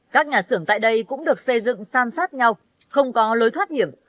các nhà xưởng tại đây cũng được xây dựng san sát nhau không có lối thoát hiểm